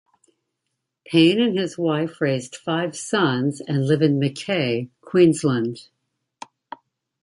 Payne and his wife raised five sons and live in Mackay, Queensland.